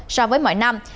so với mọi năm